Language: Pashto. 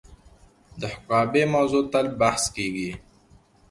د حقابې موضوع تل بحث کیږي.